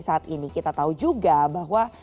saat ini kita tahu juga bahwa